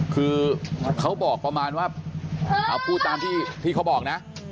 คือเขาบอกประมาณว่าเอาพูดตามที่เขาบอกนะ